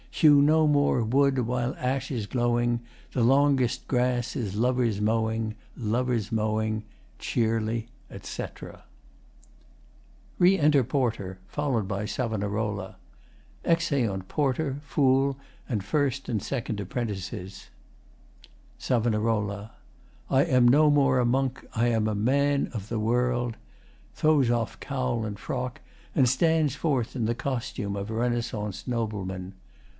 Hew no more wood While ash is glowing, The longest grass Is lovers' mowing, Lovers' mowing, Cheerly, [etc.] [Re enter PORTER, followed by SAV. Exeunt PORTER, FOOL, and FIRST and SECOND APPS.] SAV. I am no more a monk, I am a man O' the world. [Throws off cowl and frock, and stands forth in the costume of a Renaissance nobleman.